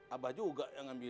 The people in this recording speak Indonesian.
abah juga yang ngambilin